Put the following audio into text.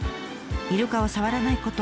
イルカを触らないこと。